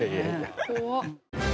「怖っ」